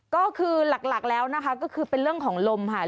ก็คือหลักแล้วนะคะก็คือเป็นเรื่องของลมค่ะ